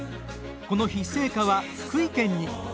この日、聖火は福井県に。